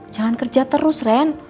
jangan kerja terus ren